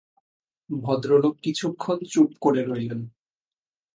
ভদ্রলোক কিছুক্ষণ চুপ করে রইলেন।